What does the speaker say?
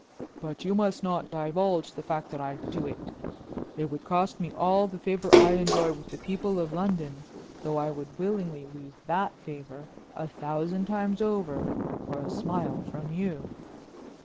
"But you must not divulge the fact that I do it. It would cost me all the favor I enjoy with the people of London, though I would willingly lose that favor, a thousand times over, for a smile from you."